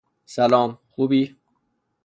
سلام، خوبی؟